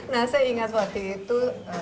nah saya ingat waktu itu